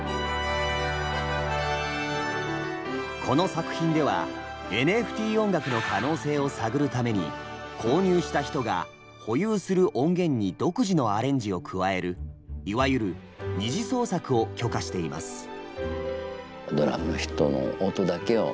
この作品ではＮＦＴ音楽の可能性を探るために購入した人が保有する音源に独自のアレンジを加えるいわゆる「二次創作」を許可しています。